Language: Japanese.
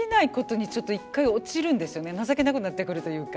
情けなくなってくるというか。